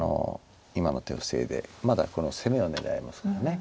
今の手を防いでまだこの攻めを狙えますから。